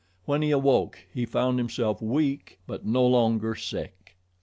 When he awoke he found himself weak but no longer sick.